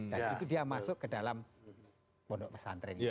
dan itu dia masuk ke dalam pondok pesantren